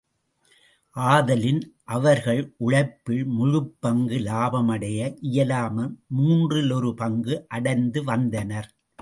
ஆதலின் அவர்கள் உழைப்பில் முழுப்பங்கு இலாபம் அடைய இயலாமல், மூன்றில் ஒரு பங்கு அடைந்துவந்தனர்.